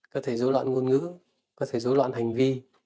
có thể dối loạn ngôn ngữ có thể dối loạn hành vi